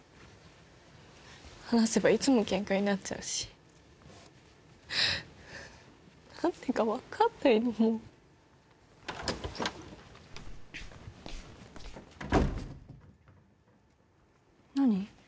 話せばいつもケンカになっちゃうし何でか分かんないのもう何？